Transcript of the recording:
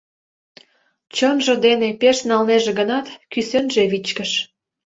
Чонжо дене пеш налнеже гынат, кӱсенже вичкыж.